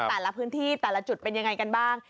แต่ละพื้นที่แต่ละจุดเป็นยังไงกันบ้าง